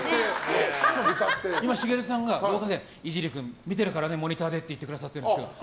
今、しげるさんがイジリー君、見てるからねモニターでって言ってくださってるんですけど。